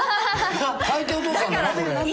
大抵お父さんだなこれ。